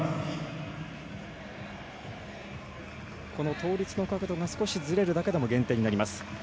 倒立の角度が少しずれるだけでも減点になります。